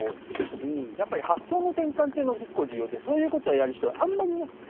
やっぱり発想の転換っていうのが結構重要でそういうことをやる人はあんまりいなかった。